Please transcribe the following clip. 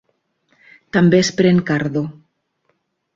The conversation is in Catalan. També es pren cardo.